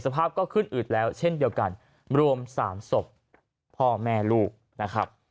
ภาพก็ขึ้นอืดแล้วเช่นเดียวกันรวม๓ศพพ่อแม่ลูกนะครับ